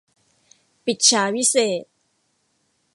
ปฤจฉาวิเศษณ์